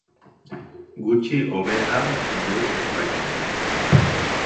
Gutxi hobe da deus ez baino.